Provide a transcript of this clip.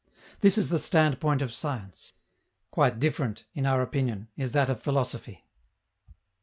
This is the standpoint of science. Quite different, in our opinion, is that of philosophy.